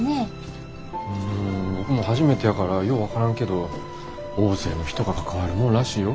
うん僕も初めてやからよう分からんけど大勢の人が関わるもんらしいよ。